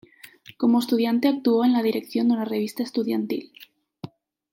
Como estudiante actuó en la dirección de una revista estudiantil.